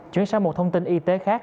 chuyển sang một thông tin y tế khác